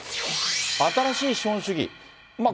新しい資本主義。